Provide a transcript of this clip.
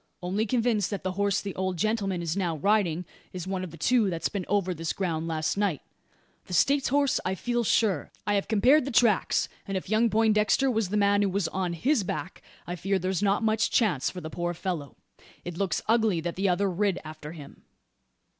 Only convinced that the horse the old gentleman is now riding is one of the two that's been over this ground last night the States horse I feel sure. I have compared the tracks; and if young Poindexter was the man who was on his back, I fear there's not much chance for the poor fellow. It looks ugly that the other rid after him."